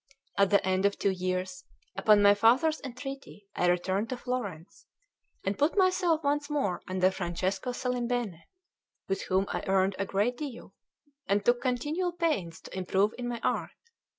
At the end of two years, upon my father's entreaty, I returned to Florence, and put myself once more under Francesco Salimbene, with whom I earned a great deal, and took continual pains to improve in my art.